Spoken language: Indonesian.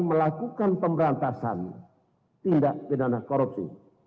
melakukan pemberantasan tindak pidana korupsi